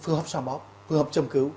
phương hợp xoa bóp phương hợp châm cứu